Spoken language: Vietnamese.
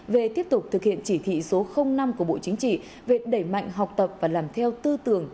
về tiếp tục thực hiện chỉ thị số năm của bộ chính trị về đẩy mạnh học tập và làm theo tư tưởng